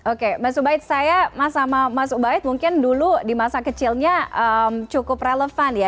oke mas ubaid saya sama mas ubaid mungkin dulu di masa kecilnya cukup relevan ya